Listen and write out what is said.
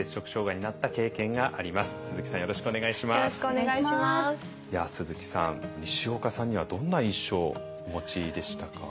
いや鈴木さんにしおかさんにはどんな印象をお持ちでしたか？